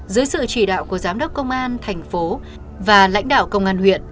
dưới sự chỉ đạo của giám đốc công an thành phố và lãnh đạo công an huyện